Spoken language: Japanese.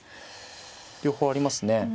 両方ありますね。